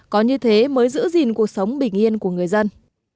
có như thế mới giữ gìn cuộc sống bình yên của người dân